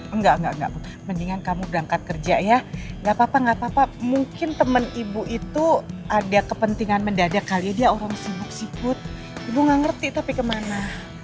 enggak enggak mendingan kamu berangkat kerja ya gak apa apa mungkin temen ibu itu ada kepentingan mendadak kali ya dia orang sibuk sibut ibu gak ngerti tapi kemana